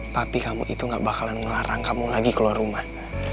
tapi kamu itu gak bakalan ngelarang kamu lagi keluar rumah